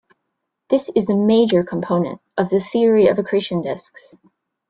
This is a major component of the theory of accretion disks.